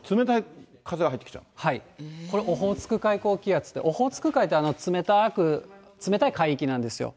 これ、オホーツク海高気圧って、オホーツク海って、冷たく、冷たい海域なんですよ。